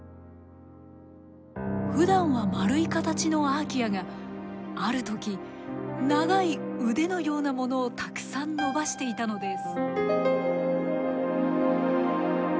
ふだんは丸い形のアーキアがある時長い腕のようなものをたくさん伸ばしていたのです。